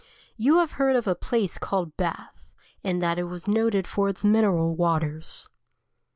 You have heard of a place called Bath, and that it is noted for its mineral waters.